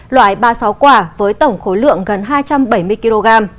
loại ba mươi sáu quả với tổng khối lượng gần hai trăm bảy mươi kg